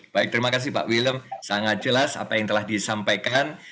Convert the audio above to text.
baik terima kasih pak willem sangat jelas apa yang telah disampaikan